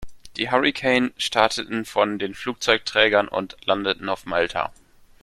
Die Hurricane starteten von den Flugzeugträgern und landeten auf Malta.